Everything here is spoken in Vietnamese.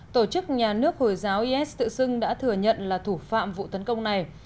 tổ chức nhà nước hồi giáo is tự xưng đã thừa nhận là thủ phạm vụ tấn công này